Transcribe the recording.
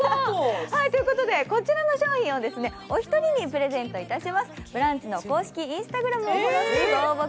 こちらの商品をお一人にプレゼントいたします。